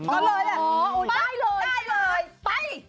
อ๋อโอ้โหได้เลยไป